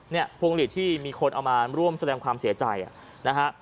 พวงหลีดที่มีคนเอามาร่วมแสดงความเสียใจนะฮะ